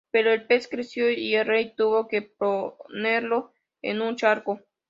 Pero el pez creció y el rey tuvo que ponerlo en un charco.